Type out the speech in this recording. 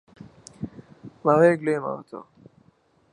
ماوەیەک لەوێ ماوەتەوە